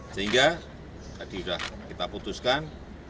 sehingga tadi sudah kita putuskan